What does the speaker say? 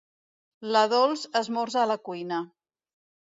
La Dols esmorza a la cuina.